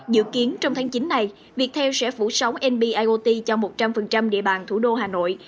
dự kiến trong tháng chín này viettel sẽ phủ sóng nb iot cho một trăm linh địa bàn thủ đô hà nội